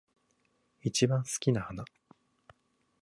一番好きな花